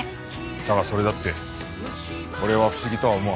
だがそれだって俺は不思議とは思わん。